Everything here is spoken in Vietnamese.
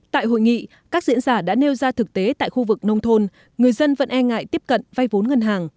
tại hội nghị các diễn giả đã nêu ra thực tế tại khu vực nông thôn người dân vẫn e ngại tiếp cận vay vốn ngân hàng